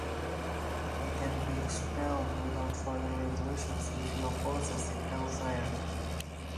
He can be expelled without further resolutions if he opposes it elsewhere.